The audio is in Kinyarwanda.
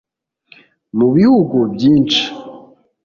Mu bihugu byinshi